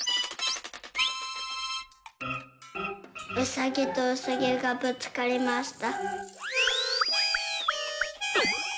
「うさぎとうさぎがぶつかりました」。